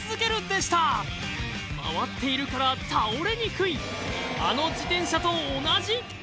回っているから倒れにくいあの自転車と同じ！